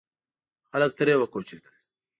خلک ترې وکوچېدل.